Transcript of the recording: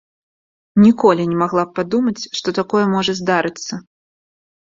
Ніколі не магла б падумаць, што такое можа здарыцца.